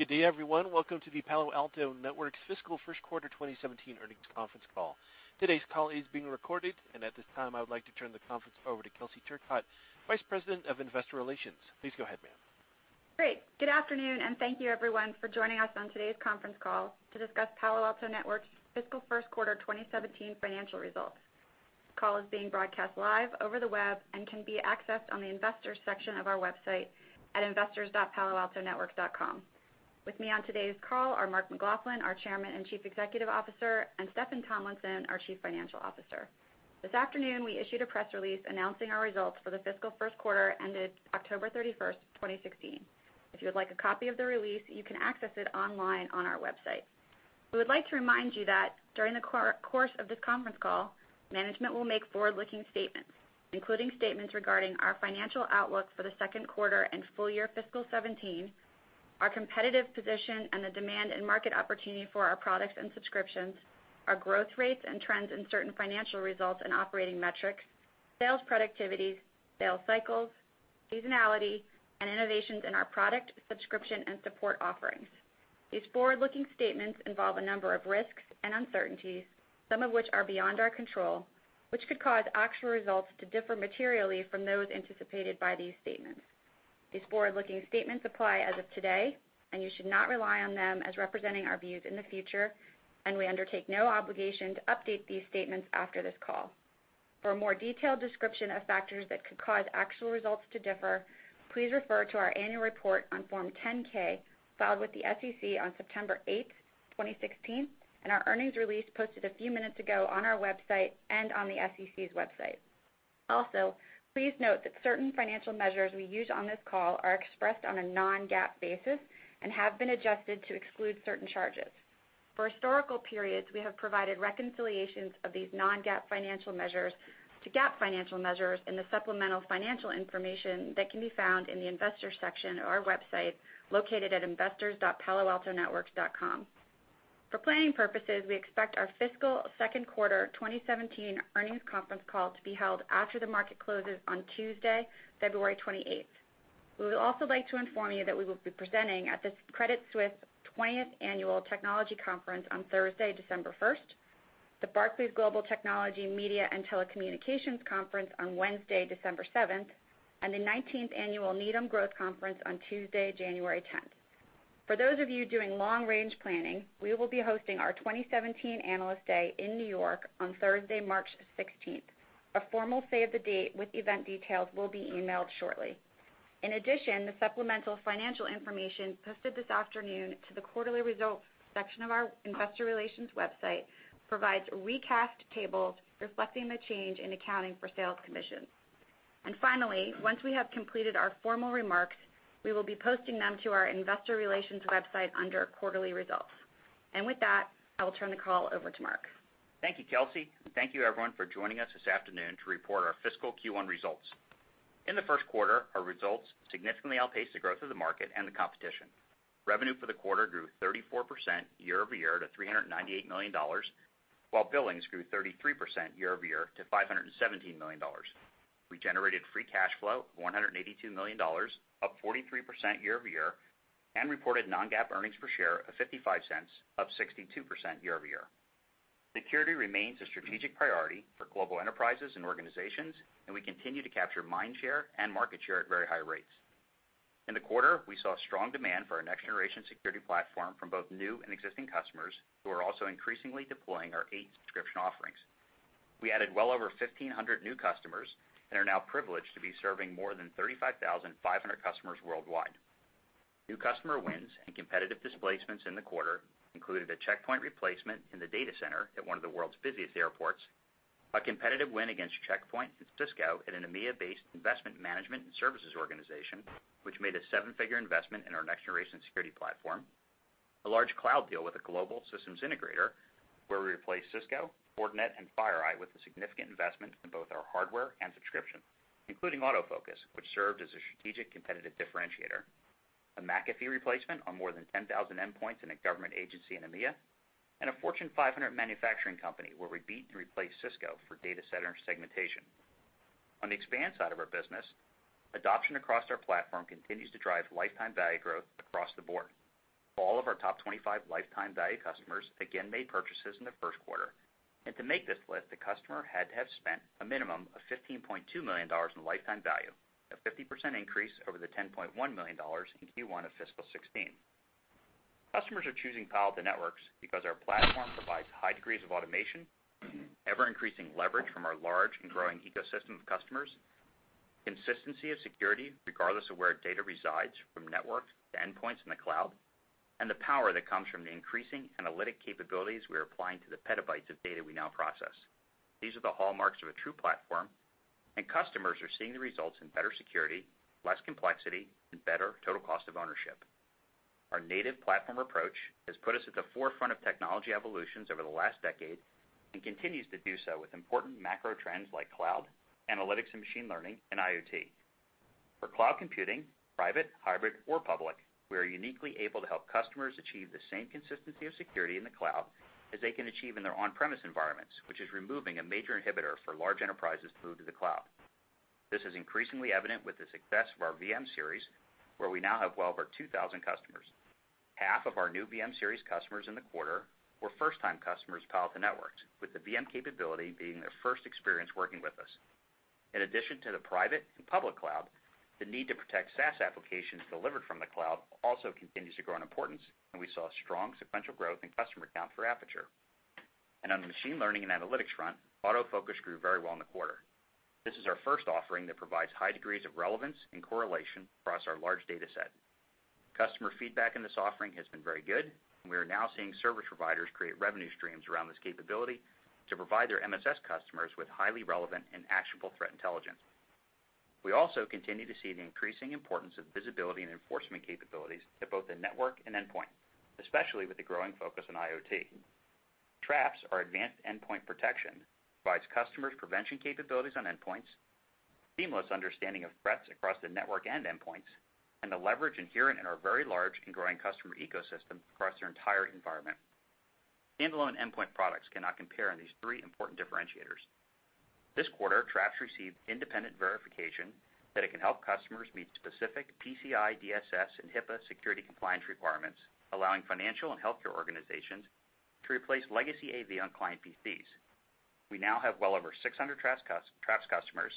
Good day, everyone. Welcome to the Palo Alto Networks fiscal first quarter 2017 earnings conference call. Today's call is being recorded, and at this time, I would like to turn the conference over to Kelsey Turcotte, Vice President of Investor Relations. Please go ahead, ma'am. Great. Thank you everyone for joining us on today's conference call to discuss Palo Alto Networks' fiscal first quarter 2017 financial results. This call is being broadcast live over the web and can be accessed on the investors section of our website at investors.paloaltonetworks.com. With me on today's call are Mark McLaughlin, our Chairman and Chief Executive Officer, and Steffan Tomlinson, our Chief Financial Officer. This afternoon, we issued a press release announcing our results for the fiscal first quarter ended October 31st, 2016. If you would like a copy of the release, you can access it online on our website. We would like to remind you that during the course of this conference call, management will make forward-looking statements, including statements regarding our financial outlook for the second quarter and full year fiscal 2017, our competitive position, the demand and market opportunity for our products and subscriptions, our growth rates and trends in certain financial results and operating metrics, sales productivities, sales cycles, seasonality, and innovations in our product subscription and support offerings. These forward-looking statements involve a number of risks and uncertainties, some of which are beyond our control, which could cause actual results to differ materially from those anticipated by these statements. These forward-looking statements apply as of today, you should not rely on them as representing our views in the future, and we undertake no obligation to update these statements after this call. For a more detailed description of factors that could cause actual results to differ, please refer to our annual report on Form 10-K filed with the SEC on September 8th, 2016, our earnings release posted a few minutes ago on our website and on the SEC's website. Please note that certain financial measures we use on this call are expressed on a non-GAAP basis and have been adjusted to exclude certain charges. For historical periods, we have provided reconciliations of these non-GAAP financial measures to GAAP financial measures in the supplemental financial information that can be found in the investors section of our website, located at investors.paloaltonetworks.com. For planning purposes, we expect our fiscal second quarter 2017 earnings conference call to be held after the market closes on Tuesday, February 28th. We would also like to inform you that we will be presenting at the Credit Suisse 20th Annual Technology Conference on Thursday, December 1st, the Barclays Global Technology, Media and Telecommunications Conference on Wednesday, December 7th, and the 19th Annual Needham Growth Conference on Tuesday, January 10th. For those of you doing long-range planning, we will be hosting our 2017 Analyst Day in New York on Thursday, March 16th. A formal save the date with event details will be emailed shortly. In addition, the supplemental financial information posted this afternoon to the quarterly results section of our investor relations website provides recast tables reflecting the change in accounting for sales commissions. Finally, once we have completed our formal remarks, we will be posting them to our investor relations website under quarterly results. With that, I will turn the call over to Mark. Thank you, Kelsey, and thank you everyone for joining us this afternoon to report our fiscal Q1 results. In the first quarter, our results significantly outpaced the growth of the market and the competition. Revenue for the quarter grew 34% year-over-year to $398 million, while billings grew 33% year-over-year to $517 million. We generated free cash flow of $182 million, up 43% year-over-year, and reported non-GAAP earnings per share of $0.55, up 62% year-over-year. Security remains a strategic priority for global enterprises and organizations, and we continue to capture mind share and market share at very high rates. In the quarter, we saw strong demand for our next-generation security platform from both new and existing customers, who are also increasingly deploying our eight subscription offerings. We added well over 1,500 new customers and are now privileged to be serving more than 35,500 customers worldwide. New customer wins and competitive displacements in the quarter included a Check Point replacement in the data center at one of the world's busiest airports, a competitive win against Check Point and Cisco at an EMEA-based investment management and services organization, which made a seven-figure investment in our next-generation security platform, a large cloud deal with a global systems integrator where we replaced Cisco, Fortinet, and FireEye with a significant investment in both our hardware and subscription, including AutoFocus, which served as a strategic competitive differentiator, a McAfee replacement on more than 10,000 endpoints in a government agency in EMEA, and a Fortune 500 manufacturing company where we beat and replaced Cisco for data center segmentation. On the expand side of our business, adoption across our platform continues to drive lifetime value growth across the board. All of our top 25 lifetime value customers again made purchases in the first quarter. To make this list, the customer had to have spent a minimum of $15.2 million in lifetime value, a 50% increase over the $10.1 million in Q1 of fiscal 2016. Customers are choosing Palo Alto Networks because our platform provides high degrees of automation, ever-increasing leverage from our large and growing ecosystem of customers, consistency of security regardless of where data resides from network to endpoints in the cloud, and the power that comes from the increasing analytic capabilities we're applying to the petabytes of data we now process. These are the hallmarks of a true platform, and customers are seeing the results in better security, less complexity, and better total cost of ownership. Our native platform approach has put us at the forefront of technology evolutions over the last decade and continues to do so with important macro trends like cloud, analytics and machine learning, and IoT. For cloud computing, private, hybrid, or public, we are uniquely able to help customers achieve the same consistency of security in the cloud as they can achieve in their on-premise environments, which is removing a major inhibitor for large enterprises to move to the cloud. This is increasingly evident with the success of our VM-Series, where we now have well over 2,000 customers. Half of our new VM-Series customers in the quarter were first-time customers, Palo Alto Networks, with the VM capability being their first experience working with us. In addition to the private and public cloud, the need to protect SaaS applications delivered from the cloud also continues to grow in importance, and we saw strong sequential growth in customer count for Aperture. On the machine learning and analytics front, AutoFocus grew very well in the quarter. This is our first offering that provides high degrees of relevance and correlation across our large data set. Customer feedback in this offering has been very good, and we are now seeing service providers create revenue streams around this capability to provide their MSS customers with highly relevant and actionable threat intelligence. We also continue to see the increasing importance of visibility and enforcement capabilities at both the network and endpoint, especially with the growing focus on IoT. Traps, our advanced endpoint protection, provides customers prevention capabilities on endpoints, seamless understanding of threats across the network and endpoints, and the leverage inherent in our very large and growing customer ecosystem across their entire environment. Standalone endpoint products cannot compare on these three important differentiators. This quarter, Traps received independent verification that it can help customers meet specific PCI, DSS, and HIPAA security compliance requirements, allowing financial and healthcare organizations to replace legacy AV on client PCs. We now have well over 600 Traps customers,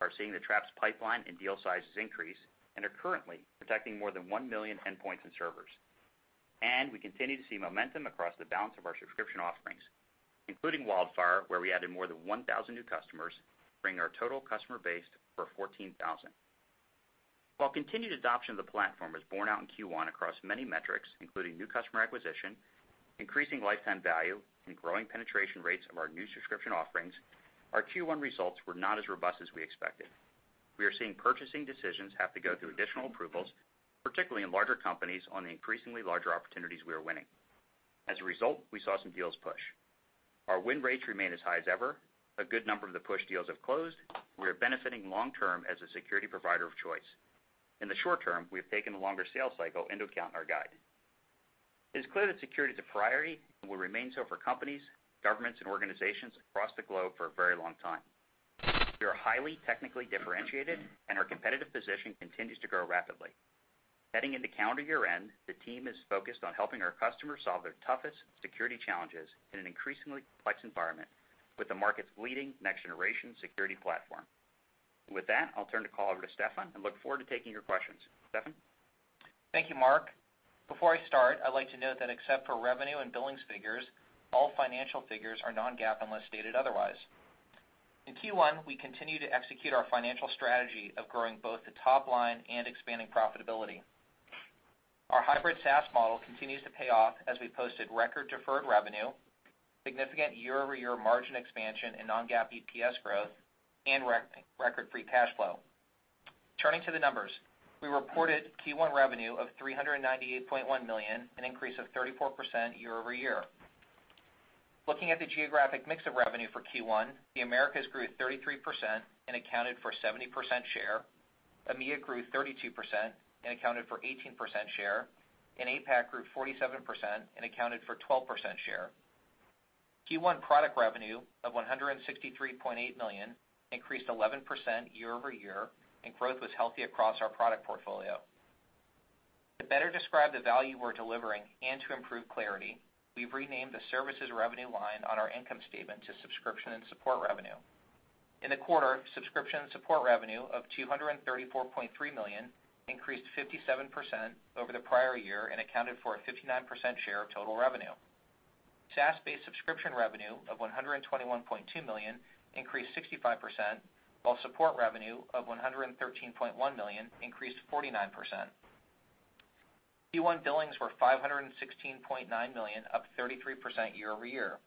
are seeing the Traps pipeline and deal sizes increase, and are currently protecting more than 1 million endpoints and servers. We continue to see momentum across the balance of our subscription offerings, including WildFire, where we added more than 1,000 new customers, bringing our total customer base over 14,000. While continued adoption of the platform was borne out in Q1 across many metrics, including new customer acquisition, increasing lifetime value, and growing penetration rates of our new subscription offerings, our Q1 results were not as robust as we expected. We are seeing purchasing decisions have to go through additional approvals, particularly in larger companies on the increasingly larger opportunities we are winning. As a result, we saw some deals push. Our win rates remain as high as ever. A good number of the pushed deals have closed. We are benefiting long-term as a security provider of choice. In the short term, we have taken the longer sales cycle into account in our guide. It is clear that security is a priority and will remain so for companies, governments, and organizations across the globe for a very long time. We are highly technically differentiated, and our competitive position continues to grow rapidly. Heading into calendar year-end, the team is focused on helping our customers solve their toughest security challenges in an increasingly complex environment with the market's leading next-generation security platform. With that, I'll turn the call over to Steffan and look forward to taking your questions. Steffan? Thank you, Mark. Before I start, I'd like to note that except for revenue and billings figures, all financial figures are non-GAAP unless stated otherwise. In Q1, we continued to execute our financial strategy of growing both the top line and expanding profitability. Our hybrid SaaS model continues to pay off as we posted record deferred revenue, significant year-over-year margin expansion and non-GAAP EPS growth, and record free cash flow. Turning to the numbers, we reported Q1 revenue of $398.1 million, an increase of 34% year-over-year. Looking at the geographic mix of revenue for Q1, the Americas grew 33% and accounted for 70% share. EMEA grew 32% and accounted for 18% share, and APAC grew 47% and accounted for 12% share. Q1 product revenue of $163.8 million increased 11% year-over-year, and growth was healthy across our product portfolio. To better describe the value we're delivering and to improve clarity, we've renamed the services revenue line on our income statement to subscription and support revenue. In the quarter, subscription and support revenue of $234.3 million increased 57% over the prior year and accounted for a 59% share of total revenue. SaaS-based subscription revenue of $121.2 million increased 65%, while support revenue of $113.1 million increased 49%. Q1 billings were $516.9 million, up 33% year-over-year.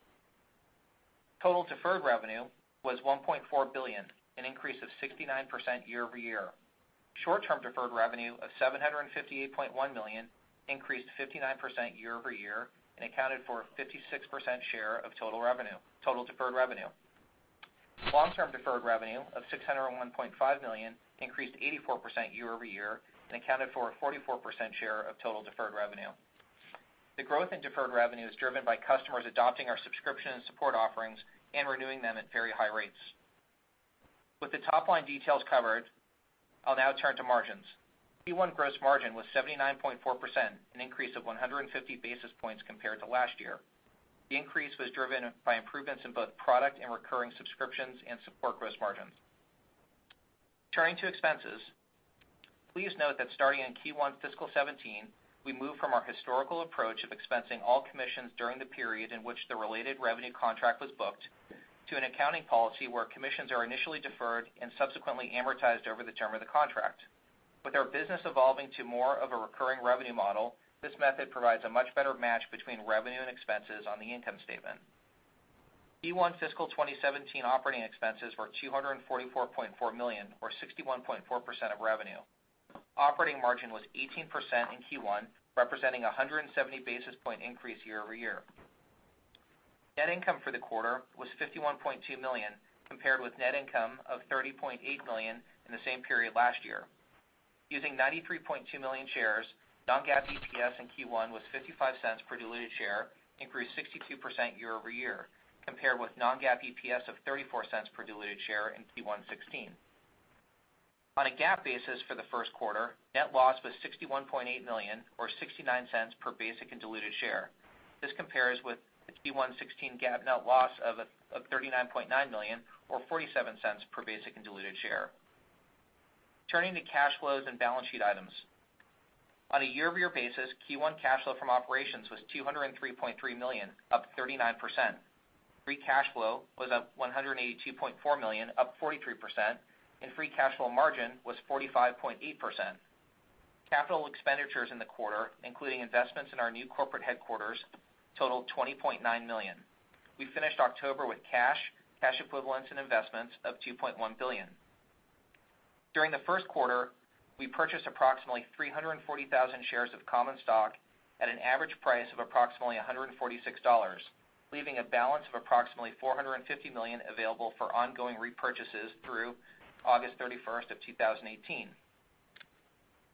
Total deferred revenue was $1.4 billion, an increase of 69% year-over-year. Short-term deferred revenue of $758.1 million increased 59% year-over-year and accounted for 56% share of total deferred revenue. Long-term deferred revenue of $601.5 million increased 84% year-over-year and accounted for 44% share of total deferred revenue. The growth in deferred revenue is driven by customers adopting our subscription and support offerings and renewing them at very high rates. With the top-line details covered, I'll now turn to margins. Q1 gross margin was 79.4%, an increase of 150 basis points compared to last year. Turning to expenses, please note that starting in Q1 fiscal 2017, we moved from our historical approach of expensing all commissions during the period in which the related revenue contract was booked to an accounting policy where commissions are initially deferred and subsequently amortized over the term of the contract. With our business evolving to more of a recurring revenue model, this method provides a much better match between revenue and expenses on the income statement. Q1 fiscal 2017 operating expenses were $244.4 million or 61.4% of revenue. Operating margin was 18% in Q1, representing a 170-basis point increase year-over-year. Net income for the quarter was $51.2 million, compared with net income of $30.8 million in the same period last year. Using 93.2 million shares, non-GAAP EPS in Q1 was $0.55 per diluted share, increased 62% year-over-year, compared with non-GAAP EPS of $0.34 per diluted share in Q1 2016. On a GAAP basis for the first quarter, net loss was $61.8 million or $0.69 per basic and diluted share. This compares with the Q1 2016 GAAP net loss of $39.9 million or $0.47 per basic and diluted share. Turning to cash flows and balance sheet items. On a year-over-year basis, Q1 cash flow from operations was $203.3 million, up 39%. Free cash flow was up $182.4 million, up 43%, and free cash flow margin was 45.8%. Capital expenditures in the quarter, including investments in our new corporate headquarters, totaled $20.9 million. We finished October with cash equivalents, and investments of $2.1 billion. During the first quarter, we purchased approximately 340,000 shares of common stock at an average price of approximately $146, leaving a balance of approximately $450 million available for ongoing repurchases through August 31st of 2018.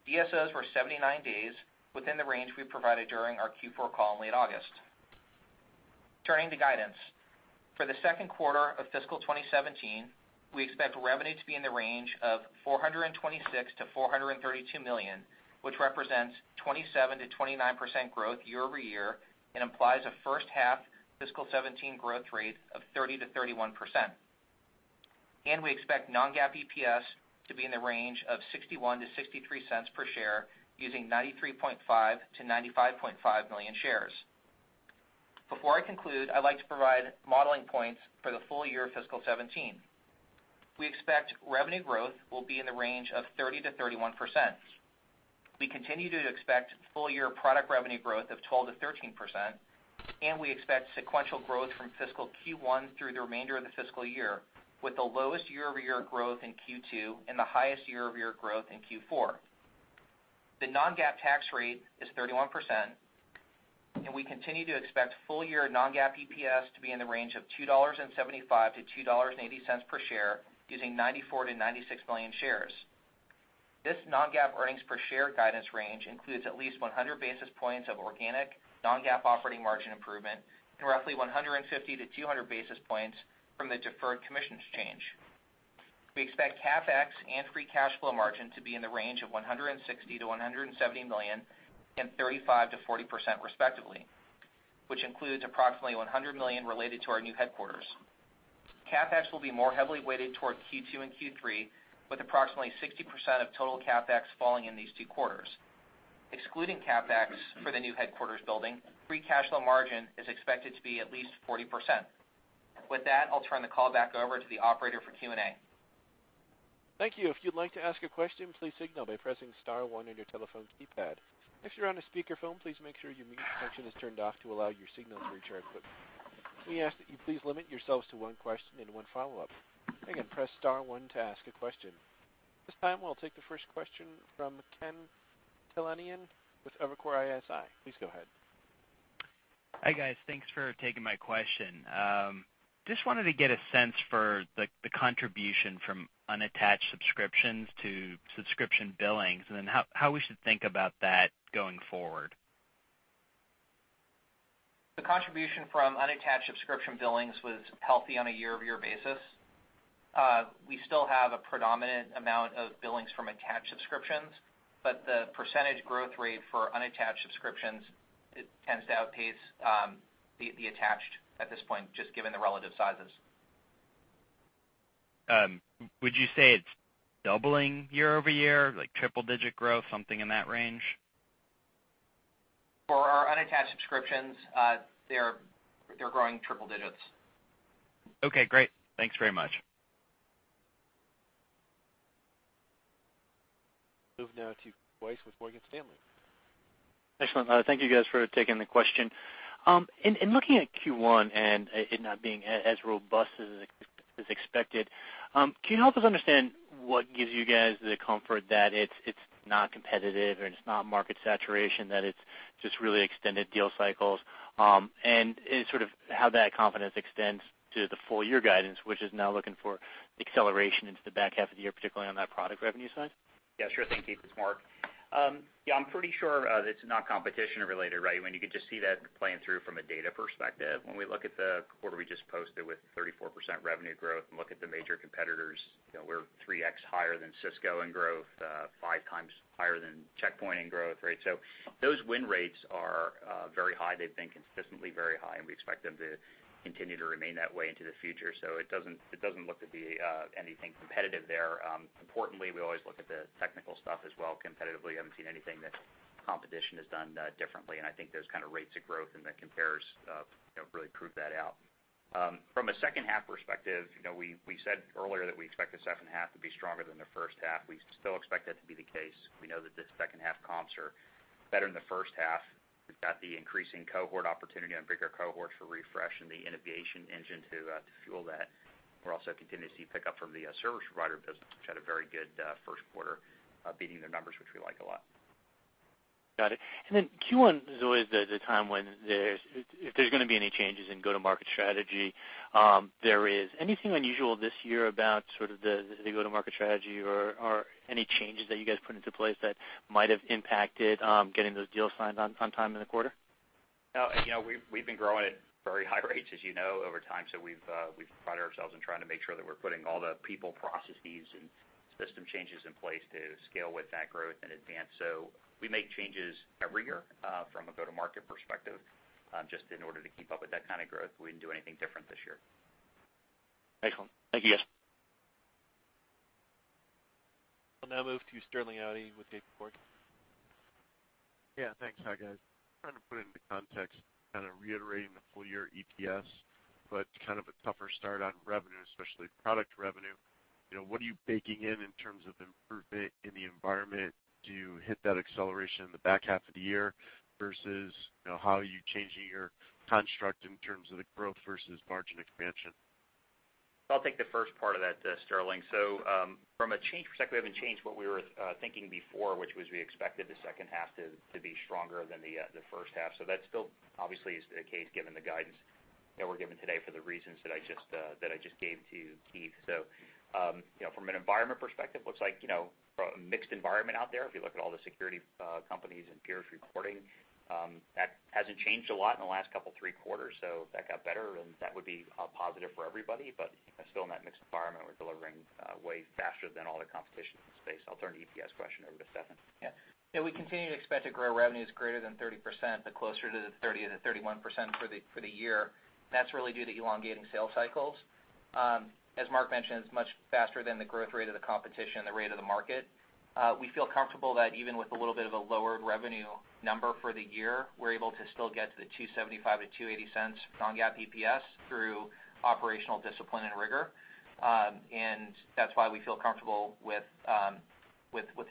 DSOs were 79 days, within the range we provided during our Q4 call in late August. Turning to guidance. For the second quarter of fiscal 2017, we expect revenue to be in the range of $426 million-$432 million, which represents 27%-29% growth year-over-year and implies a first-half fiscal 2017 growth rate of 30%-31%. We expect non-GAAP EPS to be in the range of $0.61-$0.63 per share using 93.5 million-95.5 million shares. Before I conclude, I'd like to provide modeling points for the full year fiscal 2017. We expect revenue growth will be in the range of 30%-31%. We continue to expect full-year product revenue growth of 12%-13%, and we expect sequential growth from fiscal Q1 through the remainder of the fiscal year, with the lowest year-over-year growth in Q2 and the highest year-over-year growth in Q4. The non-GAAP tax rate is 31%, and we continue to expect full-year non-GAAP EPS to be in the range of $2.75-$2.80 per share using 94 million-96 million shares. This non-GAAP earnings per share guidance range includes at least 100 basis points of organic non-GAAP operating margin improvement and roughly 150-200 basis points from the deferred commissions change. We expect CapEx and free cash flow margin to be in the range of $160 million-$170 million and 35%-40% respectively, which includes approximately $100 million related to our new headquarters. CapEx will be more heavily weighted towards Q2 and Q3, with approximately 60% of total CapEx falling in these two quarters. Excluding CapEx for the new headquarters building, free cash flow margin is expected to be at least 40%. With that, I'll turn the call back over to the operator for Q&A. Thank you. If you'd like to ask a question, please signal by pressing *1 on your telephone keypad. If you're on a speakerphone, please make sure your mute function is turned off to allow your signal to reach our equipment. We ask that you please limit yourselves to one question and one follow-up. Again, press *1 to ask a question. At this time, we'll take the first question from Ken Talanian with Evercore ISI. Please go ahead. Hi, guys. Thanks for taking my question. Just wanted to get a sense for the contribution from unattached subscriptions to subscription billings, and then how we should think about that going forward. The contribution from unattached subscription billings was healthy on a year-over-year basis. We still have a predominant amount of billings from attached subscriptions, but the % growth rate for unattached subscriptions, it tends to outpace the attached at this point, just given the relative sizes. Would you say it's doubling year-over-year, like triple digit growth, something in that range? For our unattached subscriptions, they're growing triple digits. Okay, great. Thanks very much. Move now to Weiss with Morgan Stanley. Excellent. Thank you guys for taking the question. In looking at Q1 and it not being as robust as expected, can you help us understand what gives you guys the comfort that it's not competitive or it's not market saturation, that it's just really extended deal cycles? Sort of how that confidence extends to the full year guidance, which is now looking for acceleration into the back half of the year, particularly on that product revenue side. Sure thing, Keith. It's Mark. I'm pretty sure it's not competition related, right? You can just see that playing through from a data perspective. We look at the quarter we just posted with 34% revenue growth and look at the major competitors, we're 3x higher than Cisco in growth, 5x higher than Check Point in growth, right? Those win rates are very high. They've been consistently very high, and we expect them to continue to remain that way into the future. It doesn't look to be anything competitive there. Importantly, we always look at the technical stuff as well competitively. Haven't seen anything that competition has done differently, and I think those kind of rates of growth in the compares really prove that out. From a second half perspective, we said earlier that we expect the second half to be stronger than the first half. We still expect that to be the case. We know that the second half comps are better than the first half. We've got the increasing cohort opportunity on bigger cohorts for refresh and the innovation engine to fuel that. We're also continuing to see pickup from the service provider business, which had a very good first quarter, beating their numbers. Got it. Q1 is always the time when if there's going to be any changes in go-to-market strategy, there is. Anything unusual this year about the go-to-market strategy or any changes that you guys put into place that might have impacted getting those deals signed on time in the quarter? No. We've been growing at very high rates, as you know, over time. We've prided ourselves in trying to make sure that we're putting all the people, processes, and system changes in place to scale with that growth in advance. We make changes every year, from a go-to-market perspective, just in order to keep up with that kind of growth. We didn't do anything different this year. Excellent. Thank you, guys. We'll now move to Sterling Auty with JPMorgan. Yeah, thanks. Hi, guys. Trying to put into context, reiterating the full-year EPS, but a tougher start on revenue, especially product revenue. What are you baking in terms of improvement in the environment to hit that acceleration in the back half of the year, versus how are you changing your construct in terms of the growth versus margin expansion? I'll take the first part of that, Sterling. From a change perspective, we haven't changed what we were thinking before, which was we expected the second half to be stronger than the first half. That still obviously is the case, given the guidance that we're giving today for the reasons that I just gave to you, Keith. From an environment perspective, looks like a mixed environment out there. If you look at all the security companies and peers reporting, that hasn't changed a lot in the last couple three quarters. That got better, and that would be a positive for everybody. Still in that mixed environment, we're delivering way faster than all the competition in the space. I'll turn the EPS question over to Steffan. Yeah. We continue to expect to grow revenues greater than 30%, but closer to the 30%-31% for the year. That's really due to elongating sales cycles. As Mark mentioned, it's much faster than the growth rate of the competition, the rate of the market. We feel comfortable that even with a little bit of a lower revenue number for the year, we're able to still get to the $2.75-$2.80 non-GAAP EPS through operational discipline and rigor. That's why we feel comfortable with the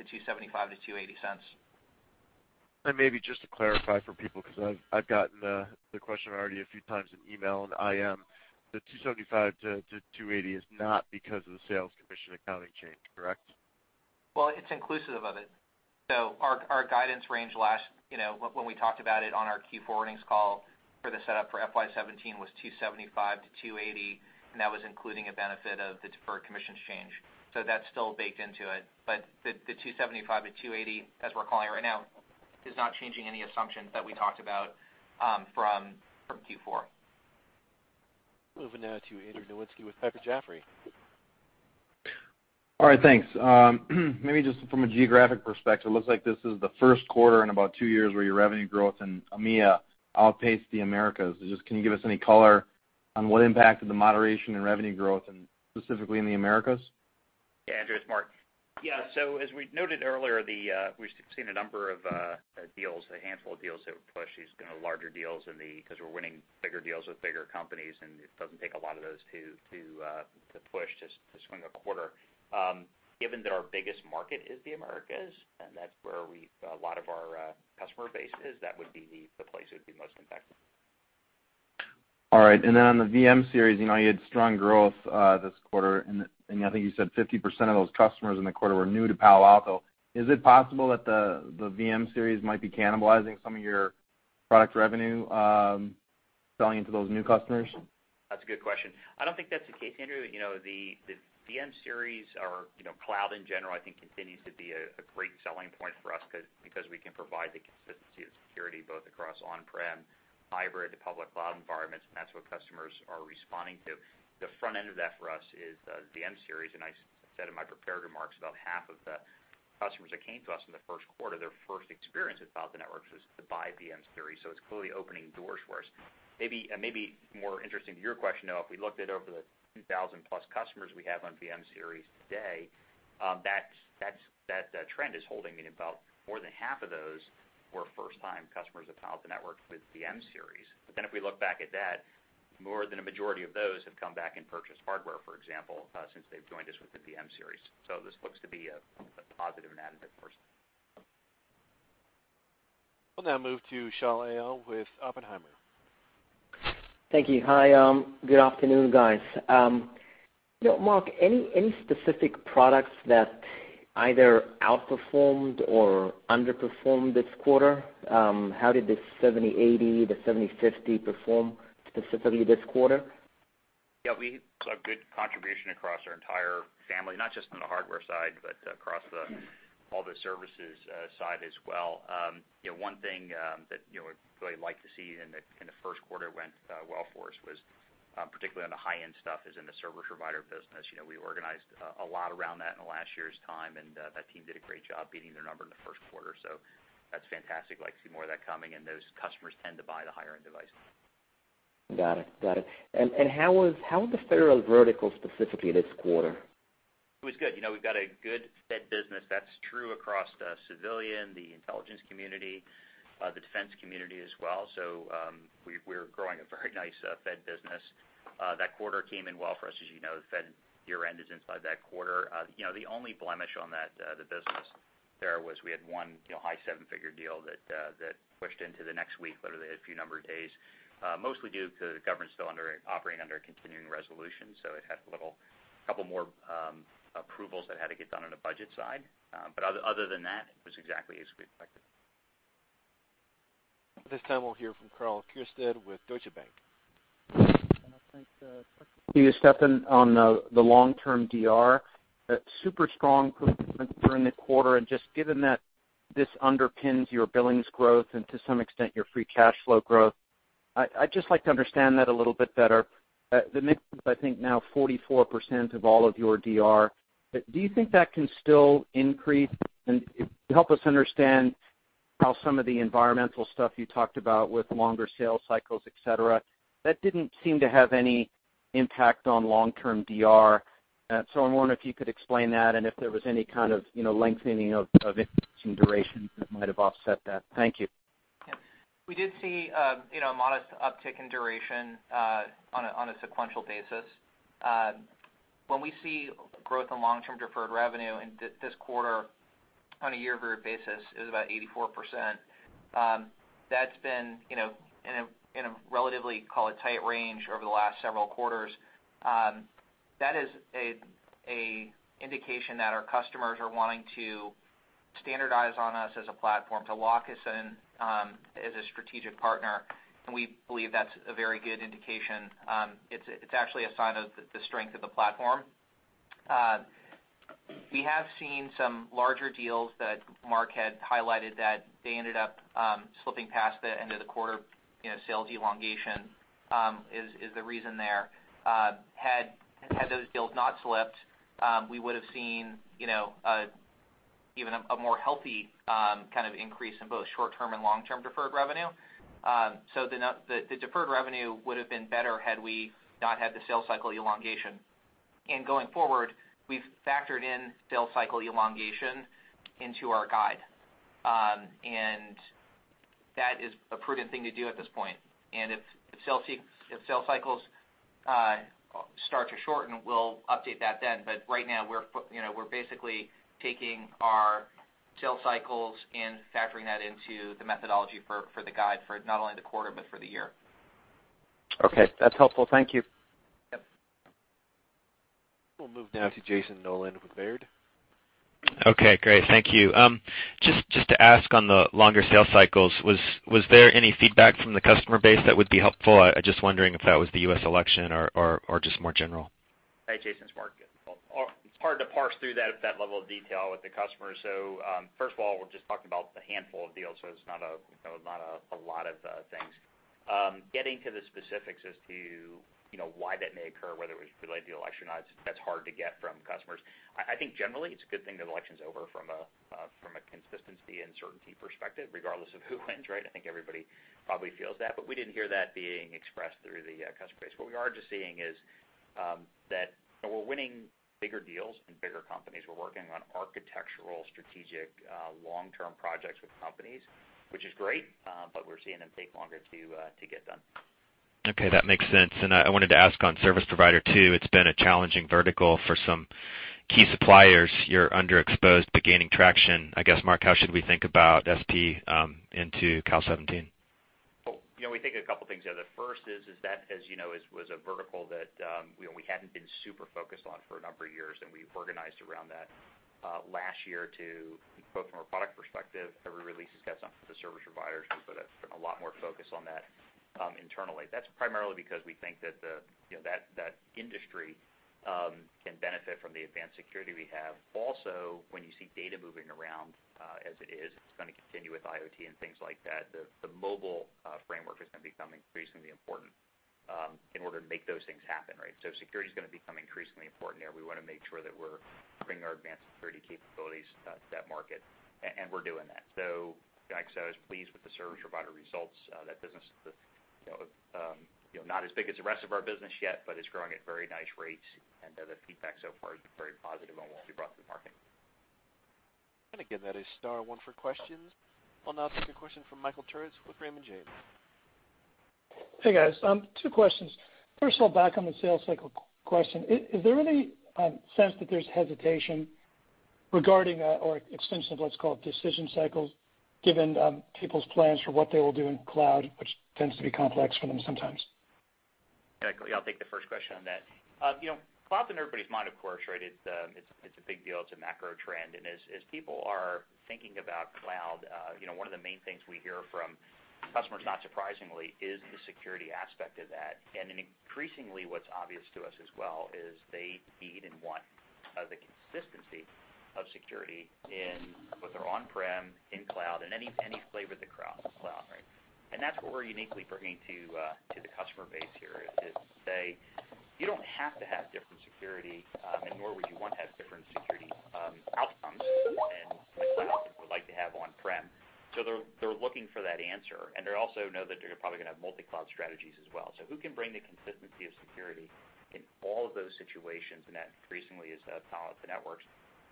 $2.75-$2.80. Maybe just to clarify for people, because I've gotten the question already a few times in email and IM, the $2.75-$2.80 is not because of the sales commission accounting change, correct? Well, it's inclusive of it. Our guidance range when we talked about it on our Q4 earnings call for the setup for FY 2017 was $2.75-$2.80, and that was including a benefit of the deferred commissions change. That's still baked into it. The $2.75-$2.80, as we're calling it right now, is not changing any assumptions that we talked about from Q4. Moving now to Andrew Nowinski with Piper Jaffray. All right, thanks. Maybe from a geographic perspective, looks like this is the first quarter in about 2 years where your revenue growth in EMEA outpaced the Americas. Can you give us any color on what impacted the moderation in revenue growth, and specifically in the Americas? Yeah, Andrew, it's Mark. Yeah. As we noted earlier, we've seen a number of deals, a handful of deals that would push these larger deals because we're winning bigger deals with bigger companies, and it doesn't take a lot of those to push to swing a quarter. Given that our biggest market is the Americas, and that's where a lot of our customer base is, that would be the place that would be most impacted. All right. On the VM-Series, you had strong growth this quarter, and I think you said 50% of those customers in the quarter were new to Palo Alto. Is it possible that the VM-Series might be cannibalizing some of your product revenue, selling to those new customers? That's a good question. I don't think that's the case, Andrew. The VM-Series or cloud in general, I think, continues to be a great selling point for us because we can provide the consistency of security both across on-prem, hybrid to public cloud environments, and that's what customers are responding to. The front end of that for us is the VM-Series, and I said in my prepared remarks, about half of the customers that came to us in the first quarter, their first experience with Palo Alto Networks was to buy VM-Series, so it's clearly opening doors for us. Maybe more interesting to your question, though, if we looked at over the 2,000-plus customers we have on VM-Series today, that trend is holding. About more than half of those were first-time customers of Palo Alto Networks with VM-Series. If we look back at that, more than a majority of those have come back and purchased hardware, for example, since they've joined us with the VM-Series. This looks to be a positive and additive for us. We'll now move to Shaul Eyal with Oppenheimer. Thank you. Hi, good afternoon, guys. Mark, any specific products that either outperformed or underperformed this quarter? How did the PA-7080, the PA-7050 perform specifically this quarter? Yeah, we saw good contribution across our entire family, not just on the hardware side, but across all the services side as well. One thing that we really like to see in the first quarter went well for us was particularly on the high-end stuff is in the service provider business. We organized a lot around that in the last year's time, and that team did a great job beating their number in the first quarter. That's fantastic. Like to see more of that coming, and those customers tend to buy the higher-end device. Got it. How was the Federal vertical specifically this quarter? It was good. We've got a good Fed business. That's true across the civilian, the intelligence community, the defense community as well. We're growing a very nice Fed business. That quarter came in well for us. As you know, the Fed year end is inside that quarter. The only blemish on the business there was we had one high seven-figure deal that pushed into the next week, literally a few number of days. Mostly due to the government still operating under a continuing resolution, it had a couple more approvals that had to get done on the budget side. Other than that, it was exactly as we expected. At this time, we'll hear from Karl Keirstead with Deutsche Bank. I think, Steffan, on the long-term DR, super strong performance during the quarter, given that this underpins your billings growth and to some extent your free cash flow growth, I'd just like to understand that a little bit better. The mix is, I think, now 44% of all of your DR. Do you think that can still increase? Help us understand how some of the environmental stuff you talked about with longer sales cycles, et cetera, that didn't seem to have any impact on long-term DR. I'm wondering if you could explain that and if there was any kind of lengthening of duration that might have offset that. Thank you. We did see a modest uptick in duration on a sequential basis. When we see growth in long-term deferred revenue in this quarter on a year-over-year basis is about 84%. That's been in a relatively, call it, tight range over the last several quarters. That is a indication that our customers are wanting to standardize on us as a platform to lock us in as a strategic partner, and we believe that's a very good indication. It's actually a sign of the strength of the platform. We have seen some larger deals that Mark had highlighted that they ended up slipping past the end of the quarter. Sales elongation is the reason there. Had those deals not slipped, we would've seen even a more healthy increase in both short-term and long-term deferred revenue. The deferred revenue would've been better had we not had the sales cycle elongation. Going forward, we've factored in sales cycle elongation into our guide. That is a prudent thing to do at this point. If sales cycles start to shorten, we'll update that then. Right now, we're basically taking our sales cycles and factoring that into the methodology for the guide for not only the quarter but for the year. Okay. That's helpful. Thank you. Yep. We'll move now to Jayson Noland with Baird. Okay, great. Thank you. Just to ask on the longer sales cycles, was there any feedback from the customer base that would be helpful? I'm just wondering if that was the U.S. election or just more general. Hey, Jayson. It's Mark. It's hard to parse through that at that level of detail with the customers. First of all, we're just talking about a handful of deals, so it's not a lot of things. Getting to the specifics as to why that may occur, whether it was related to the election or not, that's hard to get from customers. I think generally, it's a good thing that election's over from a consistency and certainty perspective, regardless of who wins, right? I think everybody probably feels that, but we didn't hear that being expressed through the customer base. What we are just seeing is that we're winning bigger deals and bigger companies. We're working on architectural, strategic, long-term projects with companies, which is great, but we're seeing them take longer to get done. Okay, that makes sense. I wanted to ask on service provider, too. It's been a challenging vertical for some key suppliers. You're underexposed but gaining traction. I guess, Mark, how should we think about SP into cal 17? We think a couple things there. The first is that as you know, was a vertical that we hadn't been super focused on for a number of years, and we organized around that last year to, both from a product perspective, every release has got something for the service providers, so that's been a lot more focus on that internally. That's primarily because we think that that industry can benefit from the advanced security we have. Also, when you see data moving around as it is, it's going to continue with IoT and things like that, the mobile framework is going to become increasingly important in order to make those things happen, right? Security's going to become increasingly important there. We want to make sure that we're bringing our advanced security capabilities to that market, and we're doing that. Like I said, I was pleased with the service provider results. That business is not as big as the rest of our business yet, but it's growing at very nice rates, and the feedback so far has been very positive on what we brought to the market. Again, that is star one for questions. I'll now take a question from Michael Turits with Raymond James. Hey, guys. Two questions. First of all, back on the sales cycle question. Is there any sense that there's hesitation regarding or extension of what's called decision cycles, given people's plans for what they will do in cloud, which tends to be complex for them sometimes? Yeah, I'll take the first question on that. Cloud's in everybody's mind, of course, right? It's a big deal. It's a macro trend. As people are thinking about cloud, one of the main things we hear from customers, not surprisingly, is the security aspect of that. Increasingly, what's obvious to us as well is they need and want the consistency of security in with their on-prem, in cloud, and any flavor of the cloud, right? That's what we're uniquely bringing to the customer base here, is say, you don't have to have different security, and nor would you want to have different security outcomes in the cloud than you would like to have on-prem. They're looking for that answer, and they also know that they're probably going to have multi-cloud strategies as well. Who can bring the consistency of security in all of those situations? That increasingly is Palo Alto Networks.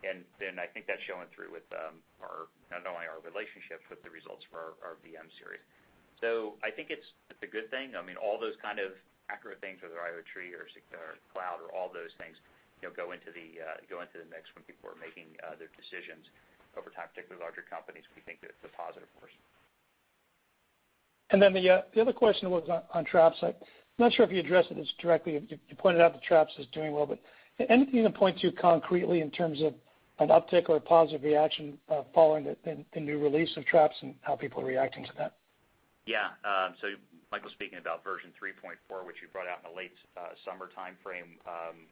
I think that's showing through with not only our relationships, but the results for our VM-Series. I think it's a good thing. All those kind of accurate things, whether IoT or cloud or all those things, go into the mix when people are making their decisions over time, particularly with larger companies, we think that it's a positive force. The other question was on Traps. I'm not sure if you addressed this directly. You pointed out that Traps is doing well, anything to point to concretely in terms of an uptick or a positive reaction following the new release of Traps and how people are reacting to that? Yeah. Michael's speaking about version 3.4, which we brought out in the late summer timeframe,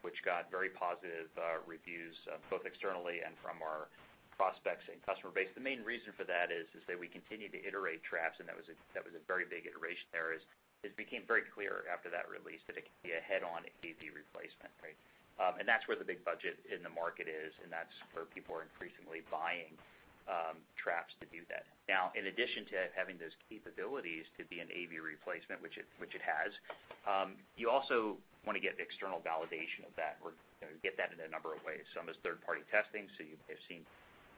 which got very positive reviews, both externally and from our prospects and customer base. The main reason for that is that we continue to iterate Traps, and that was a very big iteration there, as it became very clear after that release that it could be a head-on AV replacement. That's where the big budget in the market is, and that's where people are increasingly buying Traps to do that. In addition to having those capabilities to be an AV replacement, which it has, you also want to get the external validation of that. We're going to get that in a number of ways. Some is third-party testing, so you may have seen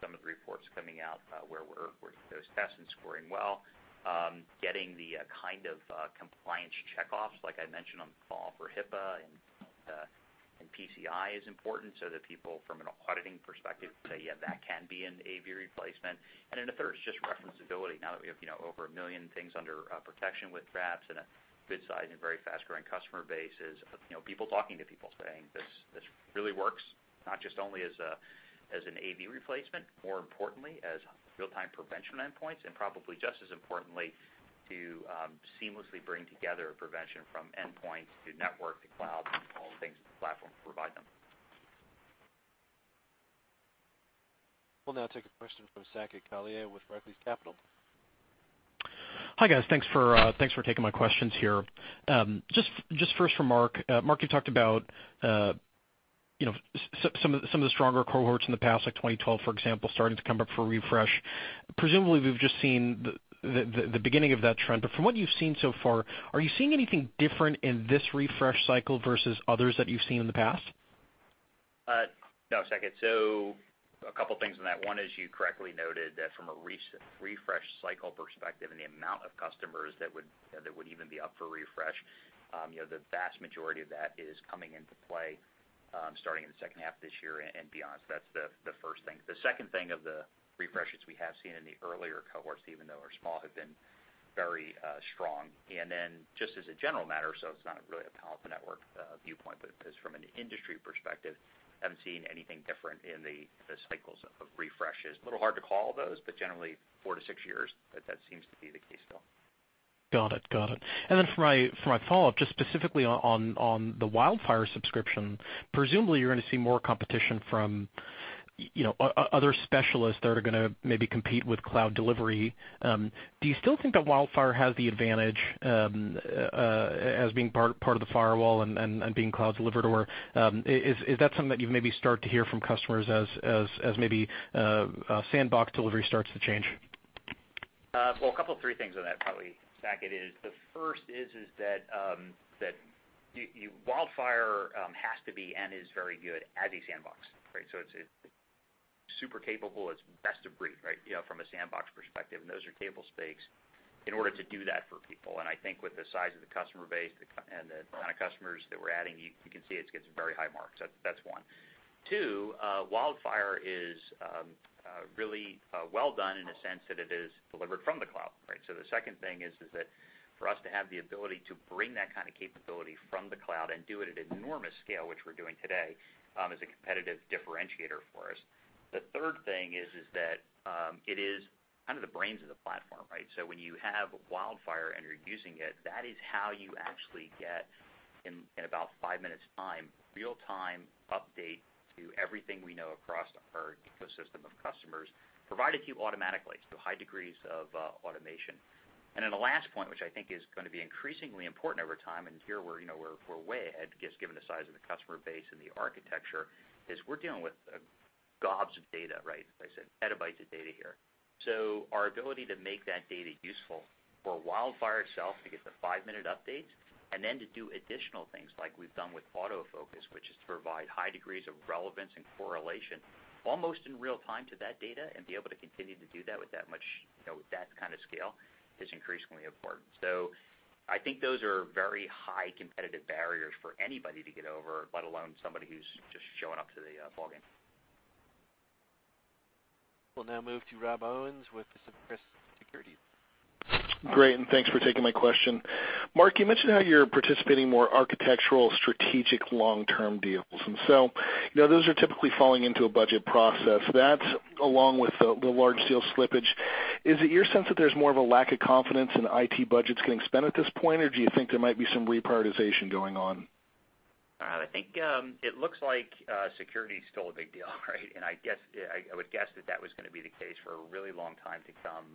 some of the reports coming out where we're those tests and scoring well. Getting the kind of compliance check-offs, like I mentioned on the call for HIPAA and PCI is important, so that people from an auditing perspective say, "Yeah, that can be an AV replacement." The third is just referenceability. Now that we have over 1 million things under protection with Traps and a good size and very fast-growing customer base is people talking to people saying, "This really works," not just only as an AV replacement, more importantly, as real-time prevention endpoints, and probably just as importantly, to seamlessly bring together prevention from endpoint to network to cloud and all the things the platform can provide them. We'll now take a question from Saket Kalia with Barclays Capital. Hi, guys. Thanks for taking my questions here. Just first for Mark. Mark, you talked about some of the stronger cohorts in the past, like 2012, for example, starting to come up for refresh. Presumably, we've just seen the beginning of that trend. From what you've seen so far, are you seeing anything different in this refresh cycle versus others that you've seen in the past? No, Saket. A couple things on that. One is you correctly noted that from a refresh cycle perspective and the amount of customers that would even be up for refresh, the vast majority of that is coming into play starting in the second half of this year and beyond. That's the first thing. The second thing of the refreshes we have seen in the earlier cohorts, even though are small, have been very strong. Just as a general matter, it's not really a Palo Alto Networks viewpoint, just from an industry perspective, haven't seen anything different in the cycles of refreshes. A little hard to call those, generally four to six years, that seems to be the case still. Got it. For my follow-up, just specifically on the WildFire subscription, presumably you're going to see more competition from other specialists that are going to maybe compete with cloud delivery. Do you still think that WildFire has the advantage as being part of the firewall and being cloud delivered, or is that something that you've maybe start to hear from customers as maybe sandbox delivery starts to change? A couple of three things on that, probably, Saket, the first is that WildFire has to be and is very good as a sandbox. It's super capable, it's best of breed from a sandbox perspective, and those are table stakes in order to do that for people. I think with the size of the customer base and the kind of customers that we're adding, you can see it gets very high marks. That is one. Two, WildFire is really well done in a sense that it is delivered from the cloud. The second thing is that for us to have the ability to bring that kind of capability from the cloud and do it at enormous scale, which we're doing today, is a competitive differentiator for us. The third thing is that it is kind of the brains of the platform. When you have WildFire and you're using it, that is how you actually get, in about five minutes' time, real-time update to everything we know across our ecosystem of customers, provided to you automatically. High degrees of automation. The last point, which I think is going to be increasingly important over time, and here we're way ahead, just given the size of the customer base and the architecture, is we're dealing with gobs of data. As I said, petabytes of data here. Our ability to make that data useful for WildFire itself to get the five-minute updates and then to do additional things like we've done with AutoFocus, which is to provide high degrees of relevance and correlation almost in real time to that data and be able to continue to do that with that kind of scale is increasingly important. I think those are very high competitive barriers for anybody to get over, let alone somebody who's just showing up to the ballgame. We'll now move to Rob Owens with Pacific Crest Securities. Great, thanks for taking my question. Mark, you mentioned how you're participating in more architectural, strategic, long-term deals. Those are typically falling into a budget process. That, along with the large deal slippage, is it your sense that there's more of a lack of confidence in IT budgets getting spent at this point, or do you think there might be some reprioritization going on? I think it looks like security's still a big deal, right? I would guess that that was going to be the case for a really long time to come,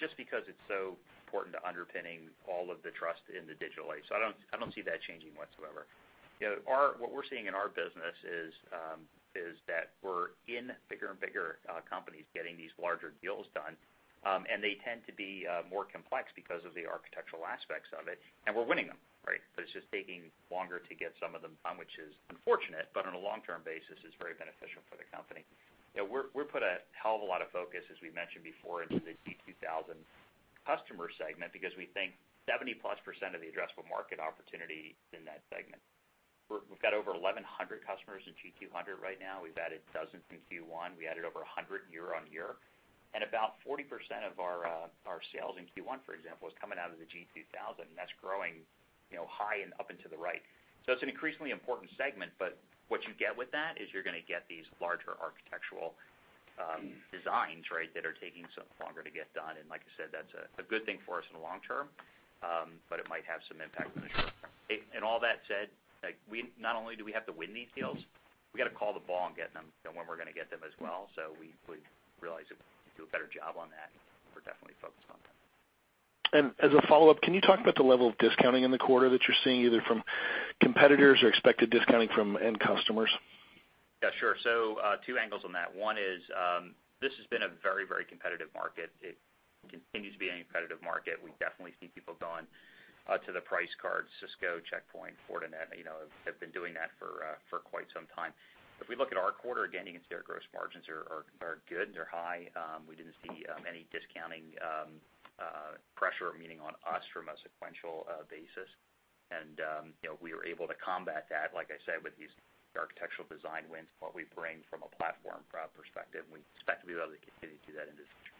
just because it's so important to underpinning all of the trust in the digital age. I don't see that changing whatsoever. What we're seeing in our business is that we're in bigger and bigger companies getting these larger deals done, and they tend to be more complex because of the architectural aspects of it, and we're winning them. It's just taking longer to get some of them done, which is unfortunate, but on a long-term basis, it's very beneficial for the company. We put a hell of a lot of focus, as we mentioned before, into the G2000 customer segment because we think 70-plus % of the addressable market opportunity is in that segment. We've got over 1,100 customers in G2000 right now. We've added dozens in Q1. We added over 100 year-over-year. About 40% of our sales in Q1, for example, is coming out of the G2000, and that's growing high and up and to the right. It's an increasingly important segment, but what you get with that is you're going to get these larger architectural designs that are taking longer to get done. Like I said, that's a good thing for us in the long term, but it might have some impact in the short term. All that said, not only do we have to win these deals, we've got to call the ball and get them when we're going to get them as well. We realize that we can do a better job on that. We're definitely focused on that. As a follow-up, can you talk about the level of discounting in the quarter that you're seeing, either from competitors or expected discounting from end customers? Yeah, sure. Two angles on that. One is, this has been a very competitive market. It continues to be a competitive market. We definitely see people going to the price card, Cisco, Check Point, Fortinet, have been doing that for quite some time. If we look at our quarter, again, you can see our gross margins are good, they're high. We didn't see any discounting pressure meeting on us from a sequential basis. We were able to combat that, like I said, with these architectural design wins and what we bring from a platform perspective, and we expect to be able to continue to do that into this quarter.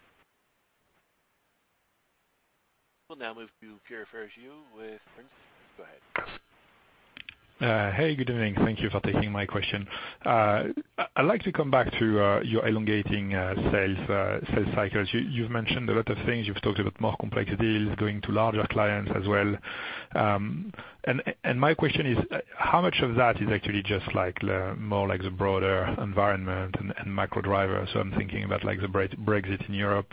We'll now move to Pierre Ferragu with Bernstein. Go ahead. Hey, good evening. Thank you for taking my question. I'd like to come back to your elongating sales cycles. You've mentioned a lot of things. You've talked about more complex deals going to larger clients as well. My question is, how much of that is actually just more like the broader environment and macro drivers? I'm thinking about the Brexit in Europe,